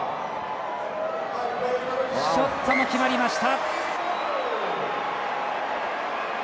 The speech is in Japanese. ショットも決まりました。